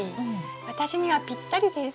私にはぴったりです。